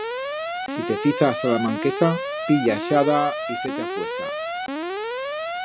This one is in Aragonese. Si te fiza a salamanquesa, pilla a xada y fe-te a fuesa.